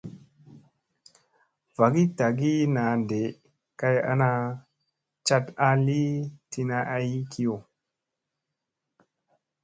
Vaagi tagi naa ɗee kay ana caɗ a li tina ay kiyo.